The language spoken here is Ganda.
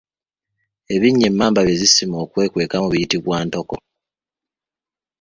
Ebinnya emmamba bye zisima okwekwekamu biyitibwa ntoko.